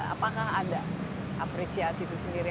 apakah ada apresiasi di sini